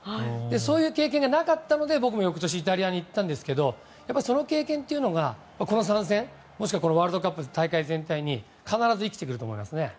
そういう経験がなかったので僕も翌年イタリアに行ったんですけどその経験というのが、この３戦もしくはワールドカップの大会全体に必ず生きてくると思います。